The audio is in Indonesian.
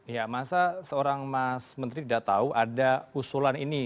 ya masa seorang mas menteri tidak tahu ada usulan ini